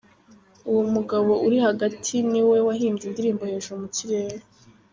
Uwo mugabo uri hagati niwe wahimbye indirimbo Hejuru mu kirere.